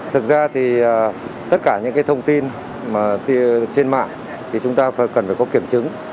thực ra thì tất cả những cái thông tin trên mạng thì chúng ta cần phải có kiểm chứng